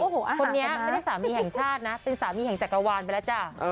คนนี้ไม่ได้สามีแห่งชาตินะเป็นสามีแห่งจักรวาลไปแล้วจ้ะ